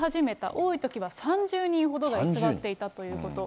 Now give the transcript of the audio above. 多いときは３０人ほどが居座っていたということ。